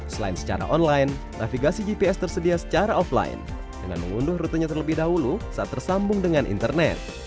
selain secara online navigasi gps tersedia secara offline dengan mengunduh rutenya terlebih dahulu saat tersambung dengan internet